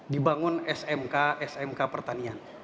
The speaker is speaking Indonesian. dibangun smk smk pertanian